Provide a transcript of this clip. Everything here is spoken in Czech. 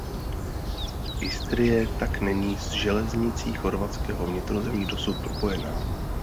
Istrie tak není s železnicí Chorvatského vnitrozemí dosud propojená.